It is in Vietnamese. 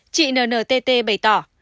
chị nntt bày tỏ